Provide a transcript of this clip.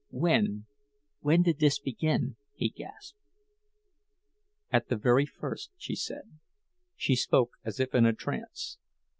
"When—when did this begin?" he gasped. "At the very first," she said. She spoke as if in a trance.